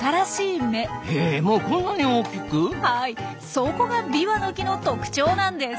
そこがビワの木の特徴なんです。